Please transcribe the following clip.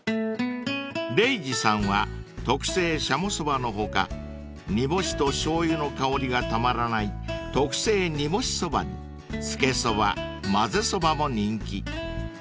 ［ＲＡＧＥさんは特製軍鶏そばの他煮干しとしょうゆの香りがたまらない特製煮干しそばにつけそばまぜそばも人気］